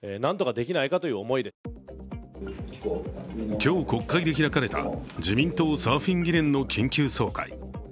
今日、国会で開かれた自民党サーフィン議連の緊急総会。